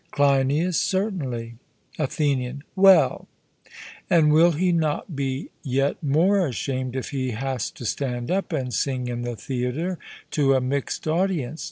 CLEINIAS: Certainly. ATHENIAN: Well, and will he not be yet more ashamed if he has to stand up and sing in the theatre to a mixed audience?